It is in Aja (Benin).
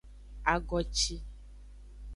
Agoci.